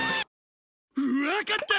わかった！